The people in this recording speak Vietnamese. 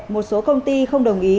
một số công ty không đồng ý